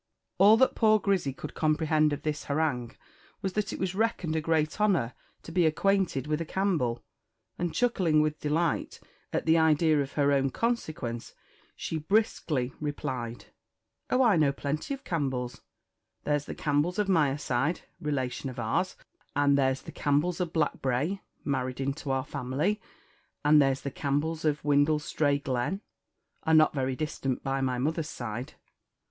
All that poor Grizzy could comprehend of this harangue was that it was reckoned a great honour to be acquainted with a Campbell; and chuckling with delight at the idea of her own consequence, she briskly replied "Oh, I know plenty of Campbells; there's the Campbells of Mireside, relations of ours; and there's the Campbells of Blackbrae, married into our family; and there's the Campbells of Windlestrae Glen, are not very distant by my mother's side."